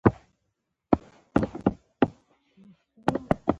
ایا مرسته کوئ؟